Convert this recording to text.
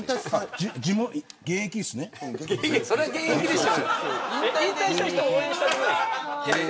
そりゃ現役でしょ。